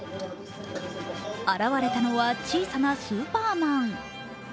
現れたのは小さなスーパーマン。